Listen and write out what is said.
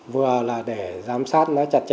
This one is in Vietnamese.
vừa là để giám sát nó chặt chẽ